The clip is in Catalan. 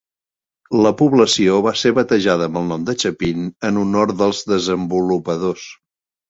La població va ser batejada amb el nom de Chapin en honor dels desenvolupadors.